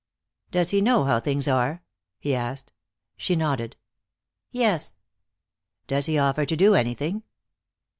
"Does he know how things are?" he asked. She nodded. "Yes." "Does he offer to do anything?"